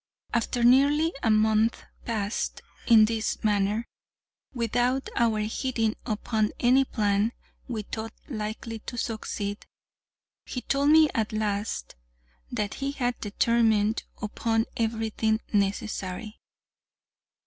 After nearly a month passed in this manner, without our hitting upon any plan we thought likely to succeed, he told me at last that he had determined upon everything necessary.